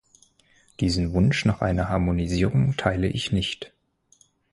Diesen Wunsch nach einer Harmonisierung teile ich nicht.